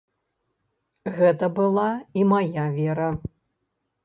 Гэта была і мая вера.